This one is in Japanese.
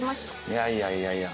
いやいやいやいや。